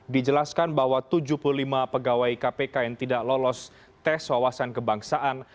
dijelaskan bahwa tujuh puluh lima pegawai kpk yang tidak lolos tes wawasan kebangsaan